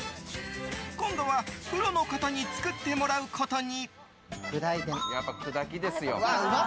今度は、プロの方に作ってもらうことに。